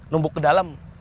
numpuk ke dalam